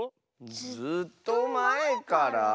ずっとまえから？